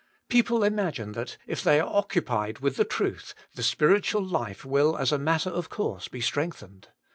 People imagine that if they are occupied with the truth, the spiritual life will as a matter of course be strengthened.